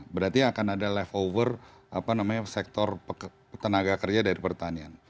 berarti akan ada life over sektor tenaga kerja dari pertanian